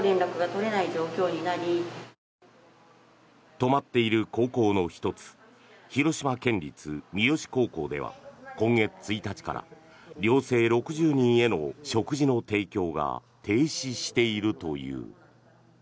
止まっている高校の１つ広島県立三次高校では今月１日から寮生６０人への食事の提供が停止しているという。